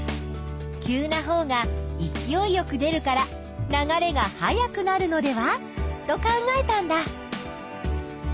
急なほうがいきおいよく出るから流れが速くなるのではと考えたんだ。